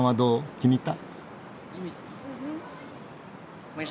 気に入った？